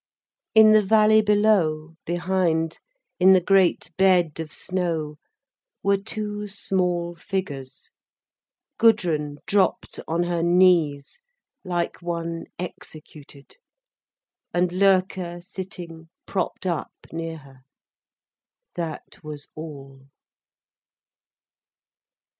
In the valley below, behind, in the great bed of snow, were two small figures: Gudrun dropped on her knees, like one executed, and Loerke sitting propped up near her. That was all.